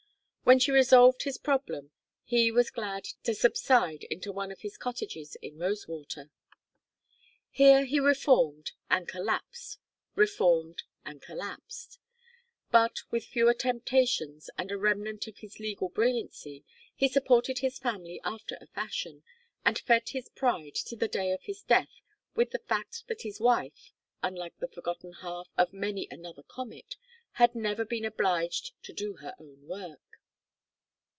When she solved his problem he was glad to subside into one of his cottages in Rosewater. Here he reformed and collapsed, reformed and collapsed; but, with fewer temptations, and a remnant of his legal brilliancy, he supported his family after a fashion; and fed his pride to the day of his death with the fact that his wife, unlike the forgotten half of many another comet, had never been obliged to do her own work.